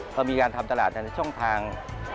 พอมีการทำตลาดในช่องทาง